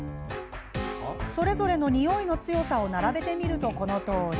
それぞれのにおいの強さを並べてみると、このとおり。